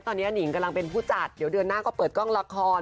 ตอนนี้หนิงกำลังเป็นผู้จัดเดี๋ยวเดือนหน้าก็เปิดกล้องละคร